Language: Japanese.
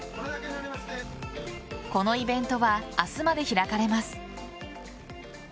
このイベントは明日まで開かれます。